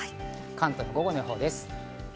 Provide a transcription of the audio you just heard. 関東の午後の予報です。